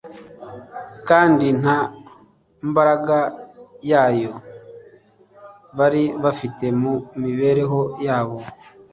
kandi nta mbaraga Yayo bari bafite mu mibereho yabo.